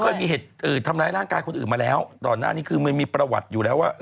เคยมีเหตุทำร้ายร่างกายคนอื่นมาแล้วก่อนหน้านี้คือมันมีประวัติอยู่แล้วว่า